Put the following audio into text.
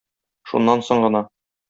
Шуннан соң гына